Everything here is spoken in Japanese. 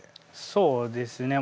そうですね。